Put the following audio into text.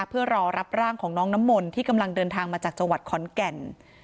เพื่อรอรับร่างของน้องน้ำมนต์ที่กำลังเดินทางมาจากจังหวัดขอนแก่น